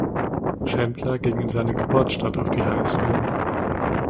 Chandler ging in seiner Geburtsstadt auf die Highschool.